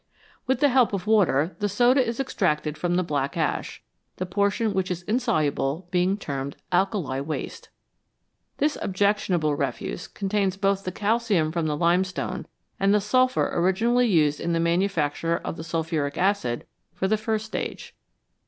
With the help of water, the soda is extracted from the black ash, the portion which is insoluble being termed " alkali waste." This objectionable refuse contains both the calcium from the limestone and the sulphur originally used in the manufacture of the sulphuric acid for the first stage.